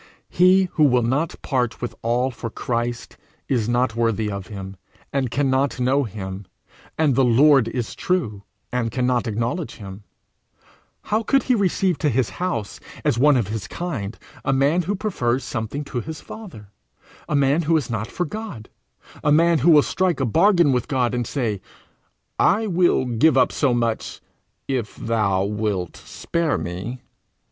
He who will not part with all for Christ, is not worthy of him, and cannot know him; and the Lord is true, and cannot acknowledge him: how could he receive to his house, as one of his kind, a man who prefers something to his Father; a man who is not for God; a man who will strike a bargain with God, and say, 'I will give up so much, if thou wilt spare me'!